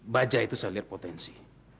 baja itu saya lihat potensi